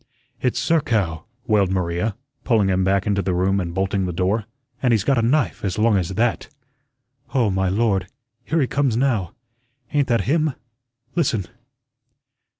"It's Zerkow," wailed Maria, pulling him back into the room and bolting the door, "and he's got a knife as long as THAT. Oh, my Lord, here he comes now! Ain't that him? Listen."